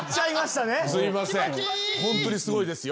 ホントにすごいですよ。